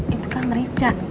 itu kan merica